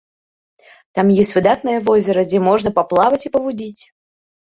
Там ёсць выдатнае возера, дзе можна паплаваць і павудзіць.